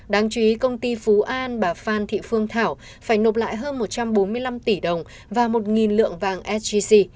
đáng chú ý công ty phú an bà phan thị phương thảo phải nộp lại hơn một trăm bốn mươi năm tỷ đồng và một lượng vàng sgc